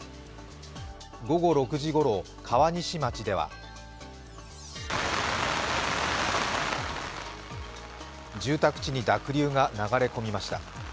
午後６時ごろ、川西町では住宅地に濁流が流れ込みました。